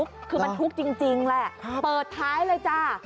คือมันทุกข์จริงแหละเปิดท้ายเลยจ้า